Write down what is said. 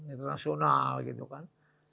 internasional gitu kan